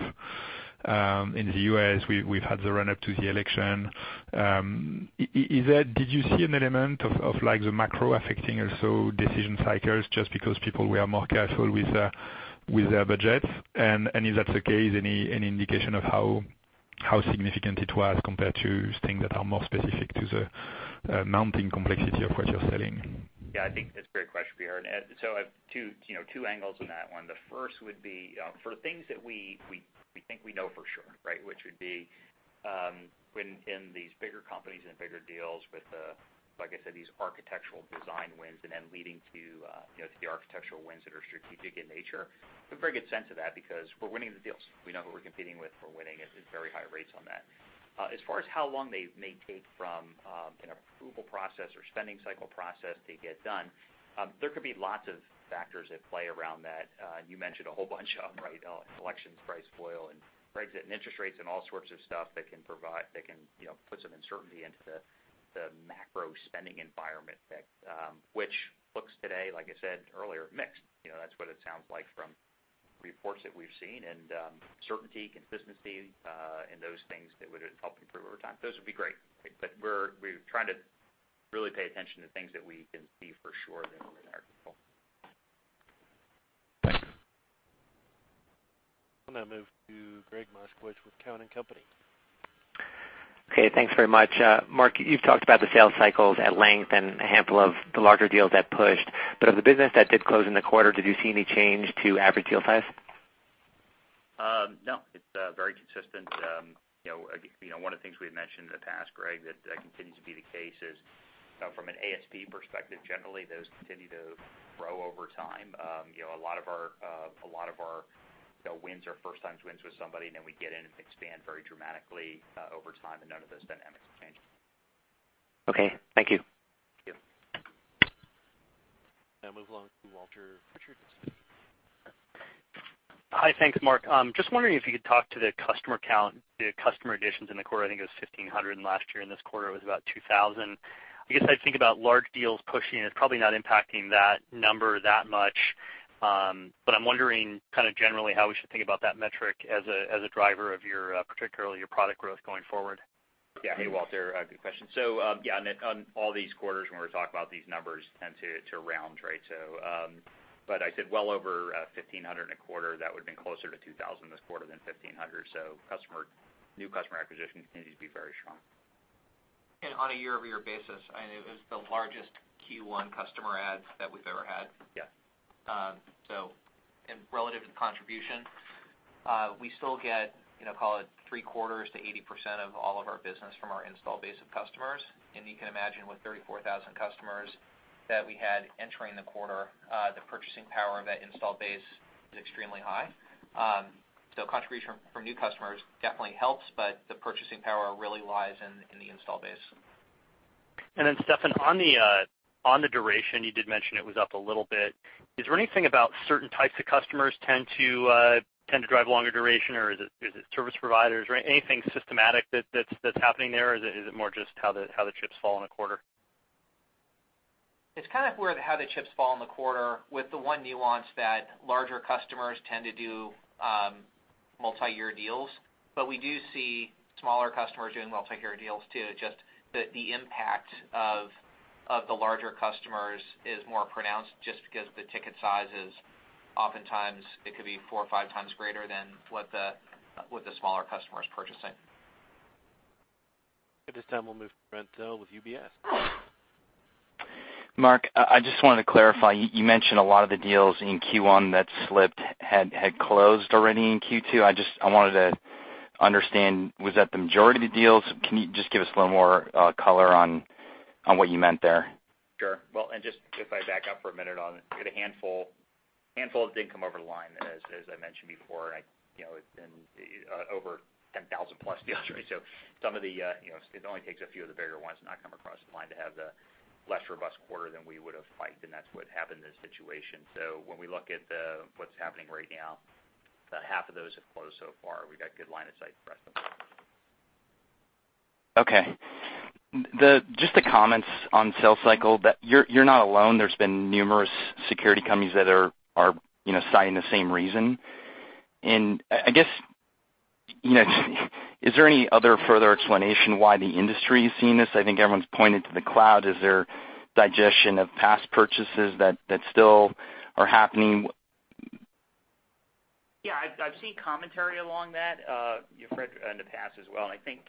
in the U.S., we've had the run-up to the election. Did you see an element of the macro affecting also decision cycles just because people were more careful with their budgets? If that's the case, any indication of how significant it was compared to things that are more specific to the mounting complexity of what you're selling? Yeah. I think that's a great question, Pierre. I have two angles on that one. The first would be for the things that we think we know for sure. Which would be when in these bigger companies and bigger deals with, like I said, these architectural design wins and then leading to the architectural wins that are strategic in nature. We have a very good sense of that because we're winning the deals. We know who we're competing with. We're winning at very high rates on that. As far as how long they may take from an approval process or spending cycle process to get done, there could be lots of factors at play around that. You mentioned a whole bunch of them, right? Elections, price of oil and Brexit and interest rates and all sorts of stuff that can put some uncertainty into the macro spending environment, which looks today, like I said earlier, mixed. That's what it sounds like from reports that we've seen. Certainty, consistency, and those things that would help improve over time. Those would be great. We're trying to really pay attention to things that we can see for sure that are in our control. Thank you. We'll now move to Gregg Moskowitz with Cowen and Company. Okay. Thanks very much. Mark, you've talked about the sales cycles at length and a handful of the larger deals that pushed. Of the business that did close in the quarter, did you see any change to average deal size? No, it's very consistent. One of the things we had mentioned in the past, Gregg, that continues to be the case is from an ASP perspective, generally, those continue to grow over time. A lot of our wins are first times wins with somebody, then we get in and expand very dramatically over time, none of those dynamics have changed. Okay, thank you. Thank you. Move along to Walter Pritchard with. Hi. Thanks, Mark. Just wondering if you could talk to the customer count, the customer additions in the quarter. I think it was 1,500 last year, and this quarter was about 2,000. I guess I think about large deals pushing, it's probably not impacting that number that much. I'm wondering generally how we should think about that metric as a driver of particularly your product growth going forward. Yeah. Hey, Walter. Good question. Yeah, on all these quarters when we talk about these numbers tend to round. I said well over 1,500 in a quarter, that would have been closer to 2,000 this quarter than 1,500. New customer acquisition continues to be very strong. On a year-over-year basis, it was the largest Q1 customer adds that we've ever had. Yeah. Relative to the contribution, we still get, call it three quarters to 80% of all of our business from our install base of customers. You can imagine with 34,000 customers that we had entering the quarter, the purchasing power of that install base is extremely high. Contribution from new customers definitely helps, but the purchasing power really lies in the install base. Steffan, on the duration, you did mention it was up a little bit. Is there anything about certain types of customers tend to drive longer duration, or is it service providers, or anything systematic that's happening there? Or is it more just how the chips fall in a quarter? It's kind of how the chips fall in the quarter with the one nuance that larger customers tend to do multi-year deals. We do see smaller customers doing multi-year deals too. Just the impact of the larger customers is more pronounced just because the ticket size is oftentimes it could be four or five times greater than what the smaller customer is purchasing. At this time, we'll move to Brent Thill with UBS. Mark, I just wanted to clarify, you mentioned a lot of the deals in Q1 that slipped had closed already in Q2. I wanted to understand, was that the majority of the deals? Can you just give us a little more color on what you meant there? Sure. Well, just if I back up for a minute on it, a handful did come over the line as I mentioned before, in over 10,000 plus deals. It only takes a few of the bigger ones to not come across the line to have the less robust quarter than we would've liked, and that's what happened in this situation. When we look at what's happening right now, about half of those have closed so far. We've got good line of sight for the rest of them. Okay. Just the comments on sales cycle, that you're not alone. There's been numerous security companies that are citing the same reason. I guess, is there any other further explanation why the industry is seeing this? I think everyone's pointing to the cloud. Is there digestion of past purchases that still are happening? Yeah, I've seen commentary along that. You've read in the past as well. I think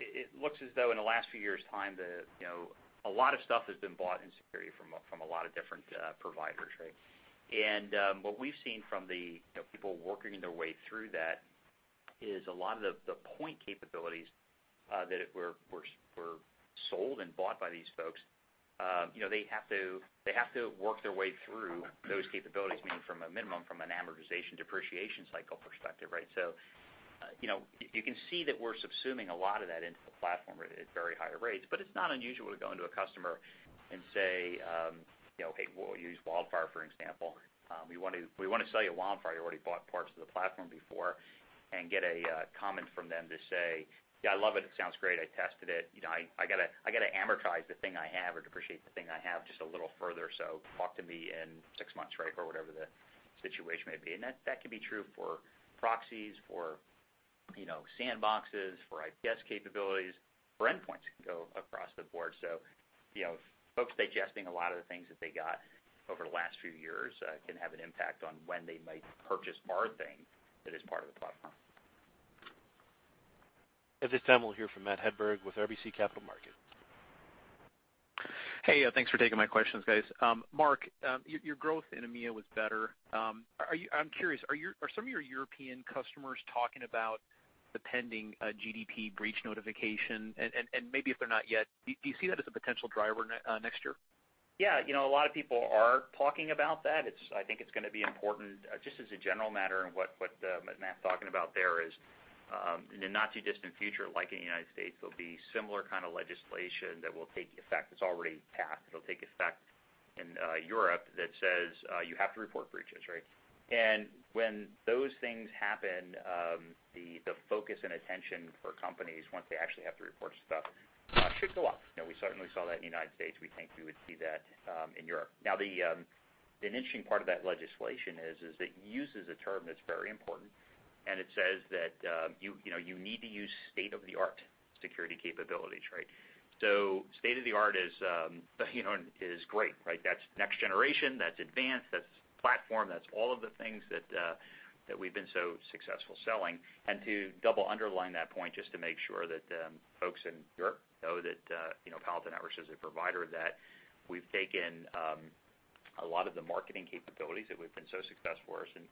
it looks as though in the last few years' time, a lot of stuff has been bought in security from a lot of different providers, right? What we've seen from the people working their way through that is a lot of the point capabilities that were sold and bought by these folks, they have to work their way through those capabilities, meaning from a minimum, from an amortization depreciation cycle perspective, right? You can see that we're subsuming a lot of that into the platform at very higher rates, but it's not unusual to go into a customer and say, "Hey," we'll use WildFire, for example. "We want to sell you WildFire. You already bought parts of the platform before." Get a comment from them to say, "Yeah, I love it. It sounds great. I tested it. I got to amortize the thing I have or depreciate the thing I have just a little further, so talk to me in six months," right? Whatever the situation may be. That could be true for proxies, for sandboxes, for IPS capabilities, for endpoints go across the board. Folks digesting a lot of the things that they got over the last few years can have an impact on when they might purchase our thing that is part of the platform. At this time, we'll hear from Matt Hedberg with RBC Capital Markets. Hey, thanks for taking my questions, guys. Mark, your growth in EMEA was better. I'm curious, are some of your European customers talking about the pending GDPR breach notification? Maybe if they're not yet, do you see that as a potential driver next year? Yeah, a lot of people are talking about that. I think it's going to be important, just as a general matter and what Matt's talking about there is, in the not too distant future, like in the U.S., there'll be similar kind of legislation that will take effect. It's already passed. It'll take effect in Europe that says, you have to report breaches, right? When those things happen, the focus and attention for companies, once they actually have to report stuff, should go up. We certainly saw that in the U.S. We think we would see that in Europe. Now, an interesting part of that legislation is that it uses a term that's very important, and it says that you need to use state-of-the-art security capabilities, right? State-of-the-art is great, right? That's next generation, that's advanced, that's platform, that's all of the things that we've been so successful selling. To double underline that point, just to make sure that folks in Europe know that Palo Alto Networks is a provider, that we've taken a lot of the marketing capabilities that have been so successful for us in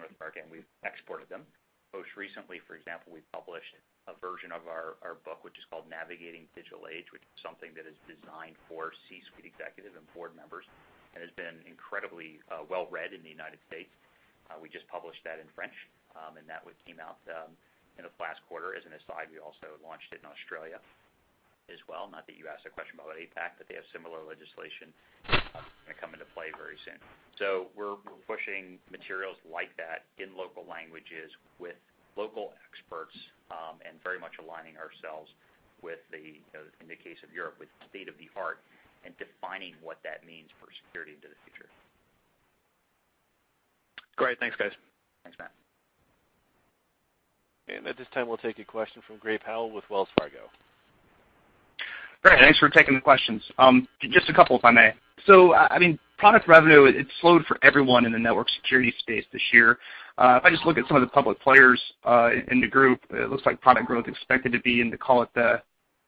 North America, and we've exported them. Most recently, for example, we published a version of our book, which is called "Navigating the Digital Age," which is something that is designed for C-suite executive and board members and has been incredibly well-read in the United States. We just published that in French, and that one came out in the last quarter. As an aside, we also launched it in Australia as well. Not that you asked that question about APAC, but they have similar legislation going to come into play very soon. We're pushing materials like that in local languages with local experts, and very much aligning ourselves with the, in the case of Europe, with state-of-the-art and defining what that means for security into the future. Great. Thanks, guys. Thanks, Matt. At this time, we'll take a question from Gray Powell with Wells Fargo. Great. Thanks for taking the questions. Just a couple, if I may. Product revenue, it slowed for everyone in the network security space this year. If I just look at some of the public players in the group, it looks like product growth expected to be in the, call it, the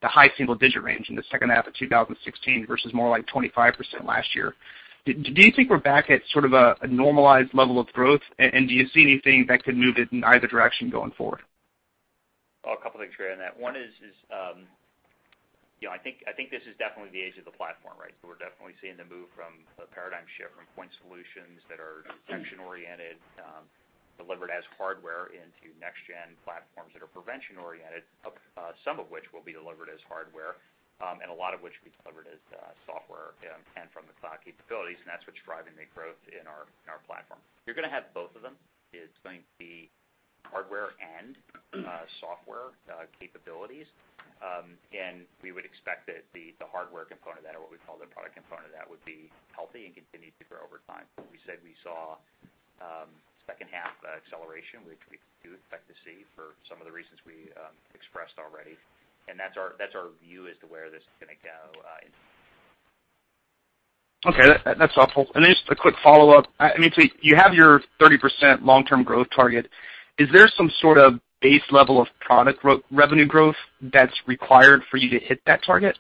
high single-digit range in the second half of 2016 versus more like 25% last year. Do you think we're back at sort of a normalized level of growth? Do you see anything that could move it in either direction going forward? A couple things, Gray, on that. One is, I think this is definitely the age of the platform, right? We're definitely seeing the move from a paradigm shift from point solutions that are detection-oriented, delivered as hardware into next gen platforms that are prevention-oriented, some of which will be delivered as hardware, and a lot of which will be delivered as software and from the cloud capabilities, and that's what's driving the growth in our platform. You're going to have both of them. It's going to be hardware and software capabilities. We would expect that the hardware component of that, or what we call the product component of that, would be healthy and continue to grow over time. We said we saw second half acceleration, which we do expect to see for some of the reasons we expressed already. That's our view as to where this is going to go. Okay. That's helpful. Just a quick follow-up. You have your 30% long-term growth target. Is there some sort of base level of product revenue growth that's required for you to hit that target?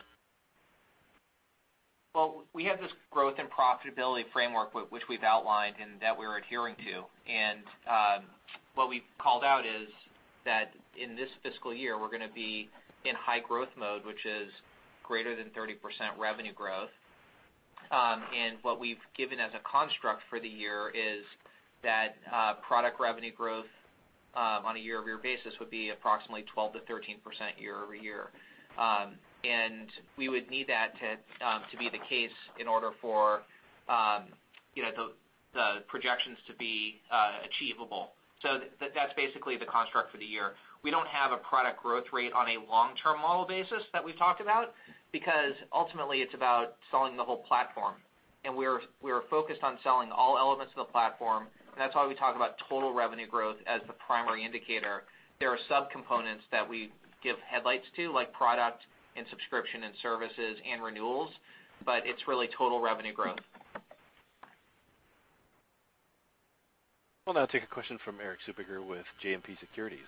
Well, we have this growth and profitability framework which we've outlined and that we're adhering to. What we've called out is that in this fiscal year, we're going to be in high growth mode, which is greater than 30% revenue growth. What we've given as a construct for the year is that product revenue growth on a year-over-year basis would be approximately 12%-13% year over year. We would need that to be the case in order for the projections to be achievable. That's basically the construct for the year. We don't have a product growth rate on a long-term model basis that we've talked about, because ultimately it's about selling the whole platform. We're focused on selling all elements of the platform, and that's why we talk about total revenue growth as the primary indicator. There are sub-components that we give headlights to, like product and subscription and services and renewals, but it's really total revenue growth. We'll now take a question from Erik Suppiger with JMP Securities.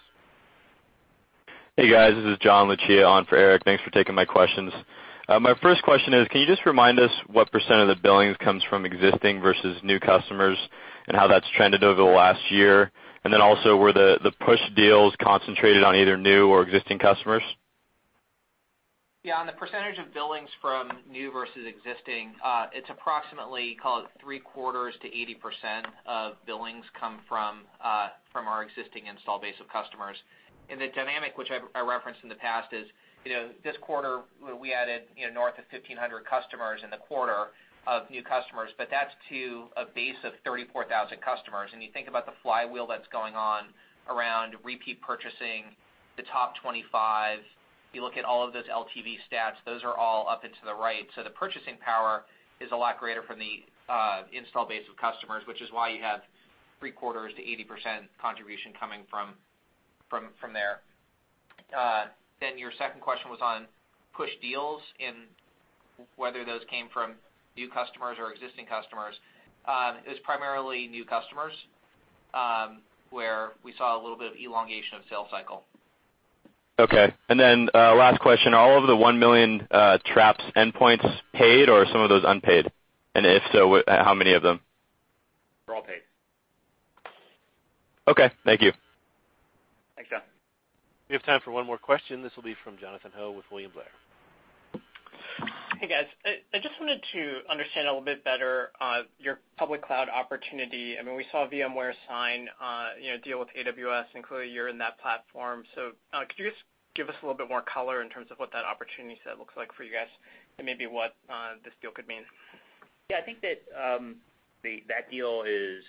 Hey, guys. This is John Lucia on for Erik. Thanks for taking my questions. My first question is, can you just remind us what % of the billings comes from existing versus new customers, and how that's trended over the last year? Were the push deals concentrated on either new or existing customers? Yeah. On the % of billings from new versus existing, it's approximately call it three quarters to 80% of billings come from our existing install base of customers. The dynamic which I referenced in the past is, this quarter we added north of 1,500 customers in the quarter of new customers, but that's to a base of 34,000 customers. You think about the flywheel that's going on around repeat purchasing the top 25. You look at all of those LTV stats, those are all up and to the right. The purchasing power is a lot greater from the install base of customers, which is why you have three quarters to 80% contribution coming from there. Your second question was on push deals and whether those came from new customers or existing customers. It was primarily new customers, where we saw a little bit of elongation of sales cycle. Okay. Last question, all of the 1 million Traps endpoints paid or are some of those unpaid? If so, how many of them? They're all paid. Okay, thank you. Thanks, John. We have time for one more question. This will be from Jonathan Ho with William Blair. Hey, guys. I just wanted to understand a little bit better your public cloud opportunity. We saw VMware sign a deal with AWS, clearly you're in that platform. Could you just give us a little bit more color in terms of what that opportunity set looks like for you guys and maybe what this deal could mean? Yeah, I think that deal is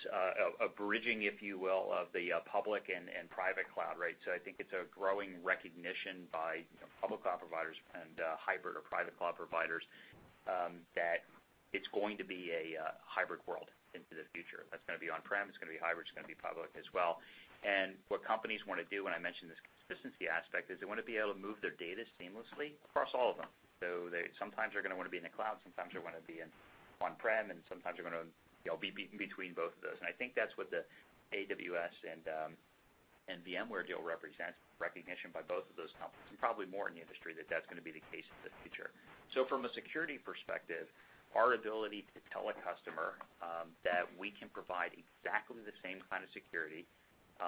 a bridging, if you will, of the public and private cloud. I think it's a growing recognition by public cloud providers and hybrid or private cloud providers, that it's going to be a hybrid world into the future. That's going to be on-prem, it's going to be hybrid, it's going to be public as well. What companies want to do, I mentioned this consistency aspect, is they want to be able to move their data seamlessly across all of them. They sometimes are going to want to be in the cloud, sometimes they want to be in on-prem, sometimes they want to be between both of those. I think that's what the AWS and VMware deal represents, recognition by both of those companies and probably more in the industry, that that's going to be the case in the future. From a security perspective, our ability to tell a customer that we can provide exactly the same kind of security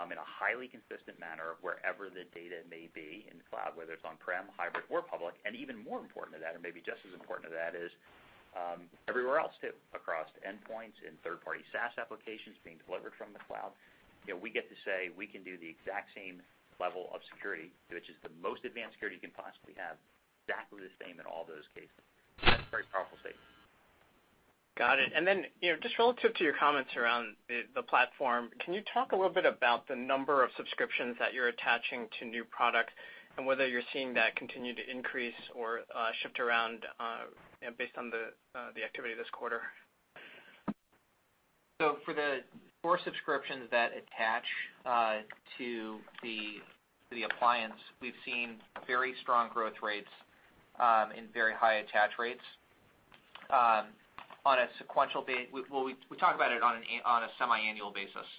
in a highly consistent manner wherever the data may be in the cloud, whether it's on-prem, hybrid, or public. Even more important to that, or maybe just as important to that, is everywhere else, too, across endpoints and third-party SaaS applications being delivered from the cloud. We get to say we can do the exact same level of security, which is the most advanced security you can possibly have, exactly the same in all those cases. That's a very powerful statement. Got it. Just relative to your comments around the platform, can you talk a little bit about the number of subscriptions that you're attaching to new product and whether you're seeing that continue to increase or shift around based on the activity this quarter? For the core subscriptions that attach to the appliance, we've seen very strong growth rates and very high attach rates. Well, we talk about it on a semi-annual basis.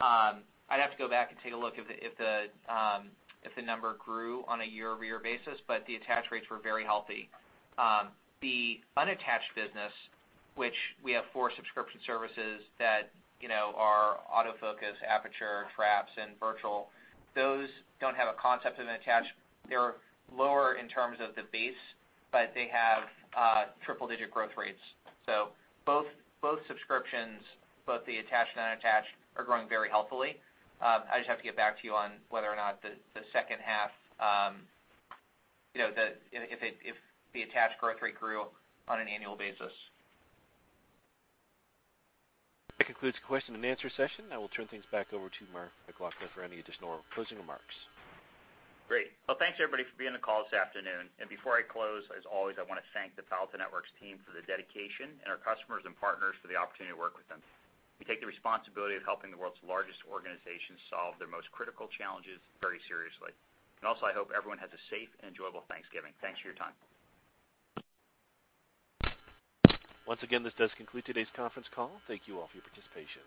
I'd have to go back and take a look if the number grew on a year-over-year basis, but the attach rates were very healthy. The unattached business, which we have four subscription services that are AutoFocus, Aperture, Traps, and VM-Series, those don't have a concept of an attach. They're lower in terms of the base, but they have triple-digit growth rates. Both subscriptions, both the attached and unattached, are growing very healthily. I just have to get back to you on whether or not the second half, if the attached growth rate grew on an annual basis. That concludes the question and answer session. I will turn things back over to Mark McLaughlin for any additional closing remarks. Great. Well, thanks everybody for being on the call this afternoon. Before I close, as always, I want to thank the Palo Alto Networks team for their dedication and our customers and partners for the opportunity to work with them. We take the responsibility of helping the world's largest organizations solve their most critical challenges very seriously. Also, I hope everyone has a safe and enjoyable Thanksgiving. Thanks for your time. Once again, this does conclude today's conference call. Thank you all for your participation.